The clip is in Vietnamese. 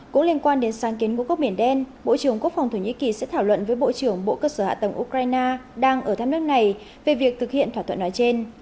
cũng liên quan đến sáng kiến ngũ cốc biển đen bộ trưởng quốc phòng thổ nhĩ kỳ sẽ thảo luận với bộ trưởng bộ cơ sở hạ tầng ukraine đang ở thăm nước này về việc thực hiện thỏa thuận nói trên